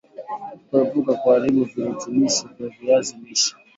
Kuepuka kuharibu virutubishi vya viazi lishe